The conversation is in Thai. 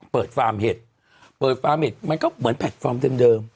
ฟาร์มเห็ดเปิดฟาร์มเห็ดมันก็เหมือนแพลตฟอร์มเดิม